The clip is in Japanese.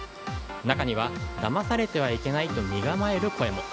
中には、だまされてはいけないと身構える声も。